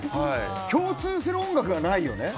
共通する音楽がないよね。